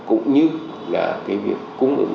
cũng như là cái việc cung ứng